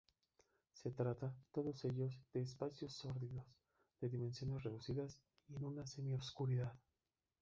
Se trata, todos ellos, de espacios sórdidos, de dimensiones reducidas y en la semi-oscuridad.